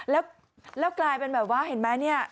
แล้วกลายเป็นแบบว่าเห็นไหมเนี่ย